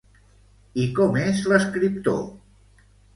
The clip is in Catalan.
I com és l'escriptor?